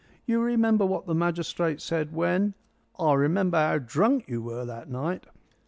You remember what the magistrate said when " "I remember how drunk you were that night."